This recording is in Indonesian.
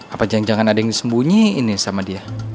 apa jangan jangan ada yang disembunyiin nih sama dia